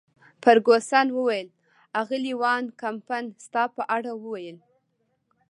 فرګوسن وویل: اغلې وان کمپن ستا په اړه ویل.